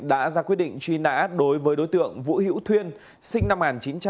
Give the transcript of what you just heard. đã ra quyết định truy nã đối với đối tượng vũ hữu thuyên sinh năm một nghìn chín trăm tám mươi